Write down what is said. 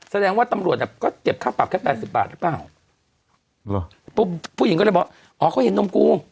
แสดงว่าตำรวจอะก็เจ็บข้าวปั๊บแค่๘๐บาทรึเปล่าปุ๊ปผู้หญิงก็เลยบอกอ๋อเขาเห็นนมกู